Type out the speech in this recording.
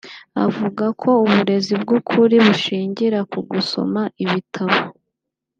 avuga ko uburezi bw’ukuri bushingira ku gusoma ibitabo